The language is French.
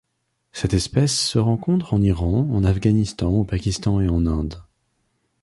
Cette espèce se rencontre en Iran, en Afghanistan, au Pakistan et en Inde.